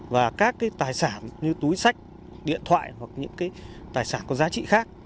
và các cái tài sản như túi sách điện thoại hoặc những cái tài sản có giá trị khác